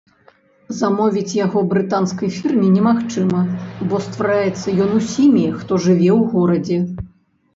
Замовіць яго брытанскай фірме немагчыма, бо ствараецца ён усімі, хто жыве ў горадзе.